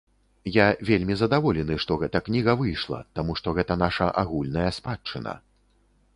Я вельмі задаволены, што гэта кніга выйшла, таму што гэта наша агульная спадчына.